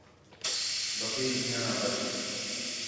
بخیل تھیݨ آ ٻَچ